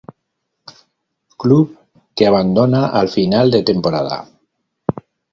Club que abandona al final de temporada.